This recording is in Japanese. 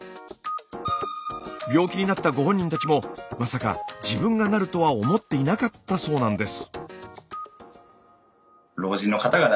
病気になったご本人たちもまさか自分がなるとは思っていなかったそうなんです。